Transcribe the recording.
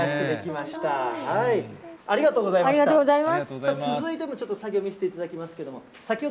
さあ、続いてのちょっと作業見せていただきますけれども、先ほど